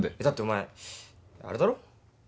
だってお前あれだろ？